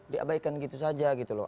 diabaikan gitu saja gitu loh